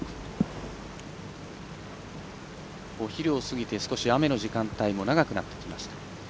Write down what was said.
お昼を過ぎて少し雨の時間帯も長くなってきました。